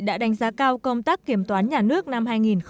đã đánh giá cao công tác kiểm toán nhà nước năm hai nghìn một mươi chín